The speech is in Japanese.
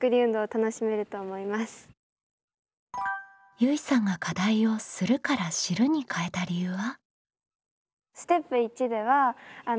ゆいさんが課題を「する」から「知る」に変えた理由は？